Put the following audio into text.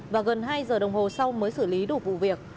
và gần hai giờ đồng hồ sau mới xử lý được vụ việc